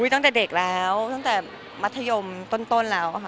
ตั้งแต่เด็กแล้วตั้งแต่มัธยมต้นแล้วค่ะ